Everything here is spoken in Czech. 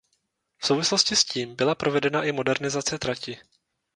V souvislosti s tím byla provedena i modernizace trati.